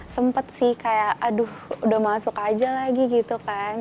sempet sih kayak aduh udah masuk aja lagi gitu kan